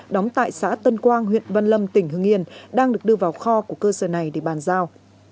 đóng tại xã tân quang huyện văn lâm tỉnh hưng yên đang được đưa vào kho của cơ sở này để bàn giao